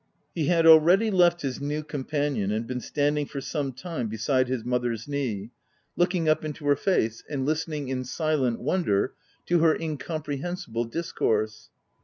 He had, already, left his new companion, and been standing for some time beside his mother's knee, looking up into her face, and listening in silent wonder to her incomprehensible discourse.